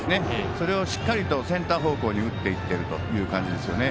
それをしっかりとセンター方向に打っていっているという感じですよね。